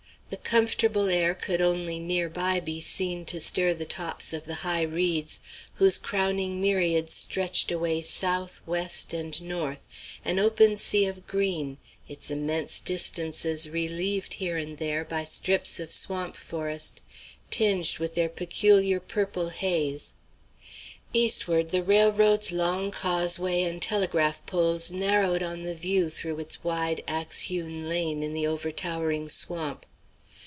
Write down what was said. The comfortable air could only near by be seen to stir the tops of the high reeds whose crowding myriads stretched away south, west, and north, an open sea of green, its immense distances relieved here and there by strips of swamp forest tinged with their peculiar purple haze. Eastward the railroad's long causeway and telegraph poles narrowed on the view through its wide axe hewn lane in the overtowering swamp.